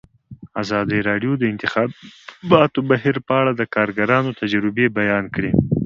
ازادي راډیو د د انتخاباتو بهیر په اړه د کارګرانو تجربې بیان کړي.